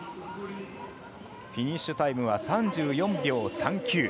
フィニッシュタイムは３４秒３９。